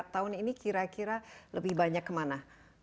tahun ini kira kira lebih banyak kemana